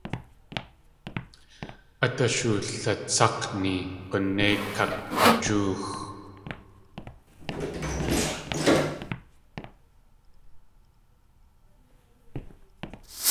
Át ashulatsák̲ni g̲unéi kakg̲wajóox.